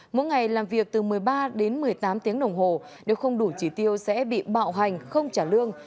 mỗi ngày làm việc từ một mươi ba đến một mươi tám tiếng đồng hồ nếu không đủ trí tiêu sẽ bị bạo hành không trả lương